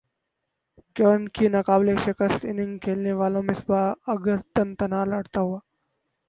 کیونکہکی ناقابل شکست اننگز کھیلنے والا مصباح اگر تن تنہا لڑتا ہوا